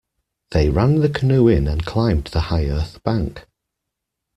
They ran the canoe in and climbed the high earth bank.